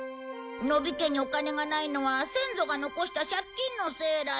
野比家にお金がないのは先祖が残した借金のせいらしい。